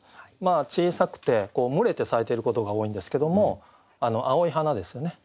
小さくて群れて咲いてることが多いんですけども青い花ですよね。